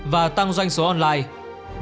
và tăng doanh số online